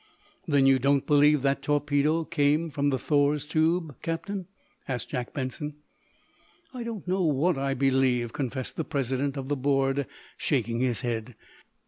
"Then you don't believe that torpedo came from the 'Thor's' tube, Captain?" asked Jack Benson. "I don't know what I believe," confessed the president of the board, shaking his head.